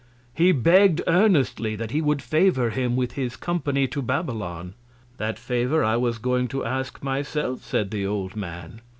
He begg'd earnestly that he would favour him with his Company to Babylon. That Favour I was going to ask my self, said the old Man.